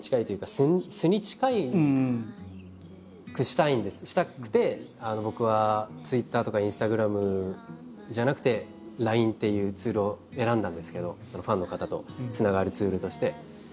何かでもやっぱり僕はツイッターとかインスタグラムじゃなくてＬＩＮＥっていうツールを選んだんですけどファンの方とつながるツールとして。